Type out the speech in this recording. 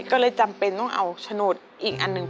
ก็เลยจำเป็นต้องเอาโฉนดอีกอันหนึ่ง